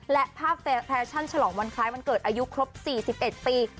และภาพแฟชั่นฉลองวันคล้ายวันเกิดอายุครบ๔๑ปี